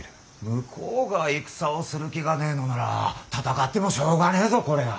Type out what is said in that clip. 向こうが戦をする気がねえのなら戦ってもしょうがねえぞこれは。